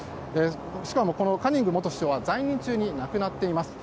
しかも、このカニング元首相は在任中に亡くなっています。